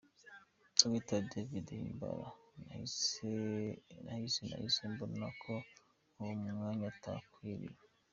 Dr David Himbara:Nahise nahise mbona ko uwo mwanya utankwiriye.